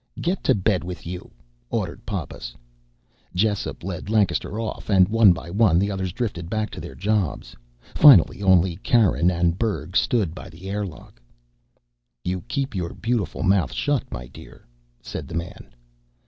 "Get to bed with you," ordered Pappas. Jessup led Lancaster off, and one by one the others drifted back to their jobs. Finally only Karen and Berg stood by the airlock. "You keep your beautiful mouth shut, my dear," said the man.